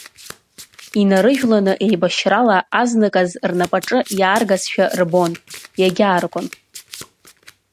Инарыжәланы еибашьрала азныказ рнапаҿы иааргазшәа рбон, иагьааргон.